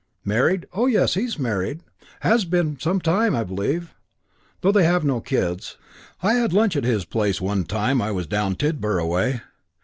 "Married? Oh, yes, he's married. Has been some time, I believe, though they've no kids. I had lunch at his place one time I was down Tidborough way.